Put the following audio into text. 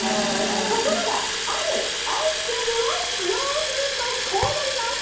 ところがあるアイテムを使用するとこうなります！